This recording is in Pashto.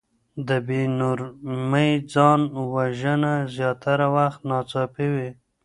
د بې نورمۍ ځان وژنه زياتره وخت ناڅاپي وي.